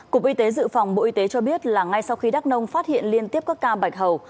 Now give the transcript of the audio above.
cục y tế dự phòng bộ y tế cho biết là ngay sau khi đắk nông phát hiện liên tiếp các ca bạch hầu